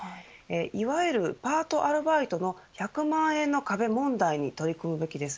いわゆるパートアルバイトの１００万円の壁問題に取り組むべきです。